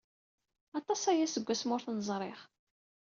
Aṭas aya seg wasmi ur ten-ẓriɣ.